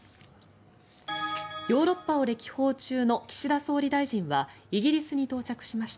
ヨーロッパを歴訪中の岸田総理大臣はイギリスに到着しました。